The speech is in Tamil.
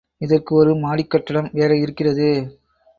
இதற்கு ஒரு மாடிக் கட்டடம் வேறே இருக்கிறது.